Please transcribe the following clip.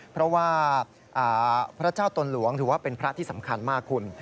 เพราะว่าพระเจ้าตนหลวงถือว่าเป็นพระที่สำคัญมากคุณ